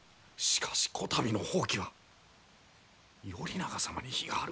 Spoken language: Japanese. しかしこたびの蜂起は頼長様に非があること